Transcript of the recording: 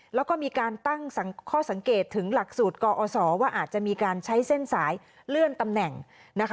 แล้วก็มีการตั้งข้อสังเกตถึงหลักสูตรกอศว่าอาจจะมีการใช้เส้นสายเลื่อนตำแหน่งนะคะ